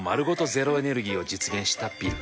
ゼロエネルギーを実現したビル。